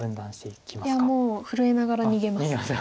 いやもう震えながら逃げます。